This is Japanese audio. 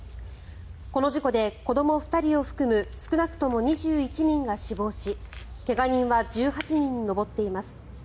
この事故で子ども２人を含む少なくとも２１人が死亡し怪我人は１８人に上っています。